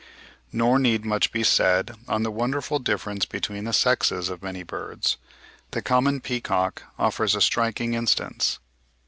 Nor need much be said on the wonderful difference between the sexes of many birds. The common peacock offers a striking instance.